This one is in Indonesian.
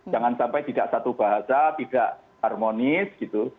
jangan sampai tidak satu bahasa tidak harmonis gitu